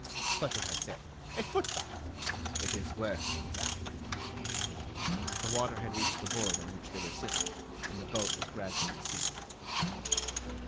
What did I say? A foot bath? It is worse than that." The water had reached the board on which they were sitting, and the boat was gradually sinking.